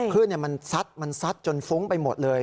คลื่นมันซัดค่ะมันซัดจนฟุ้งไปหมดเลย